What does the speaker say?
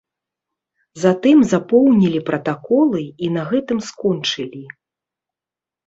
Затым запоўнілі пратаколы і на гэтым скончылі.